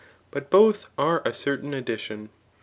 But both are a certain addi« tion.